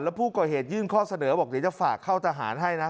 แล้วผู้ก่อเหตุยื่นข้อเสนอบอกเดี๋ยวจะฝากเข้าทหารให้นะ